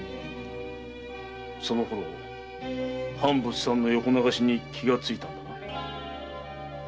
そのころ藩物産の横流しに気がついたのだな。